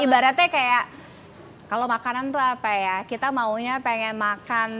ibaratnya kayak kalau makanan tuh apa ya kita maunya pengen makan